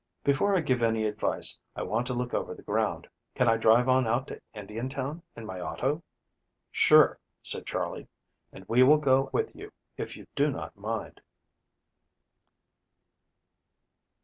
Before I give any advice I want to look over the ground. Can I drive on out to Indiantown in my auto?" "Sure," said Charley, "and we will go with you if you do not mind."